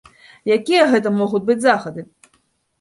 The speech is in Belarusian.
Якія гэта могуць быць захады?